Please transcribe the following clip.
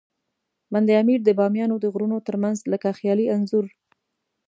بند امیر د بامیانو د غرونو ترمنځ لکه خیالي انځور.